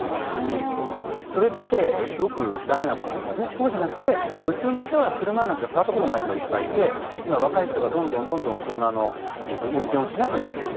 そうじゃなくて普通の人は車なんて触ったことない人がいっぱいいて今若い人がどんどんどんどん車の運転をしなくなってますよね。